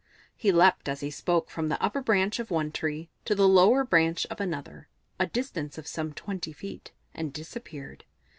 He leapt as he spoke from the upper branch of one tree to the lower branch of another, a distance of some twenty feet, and disappeared.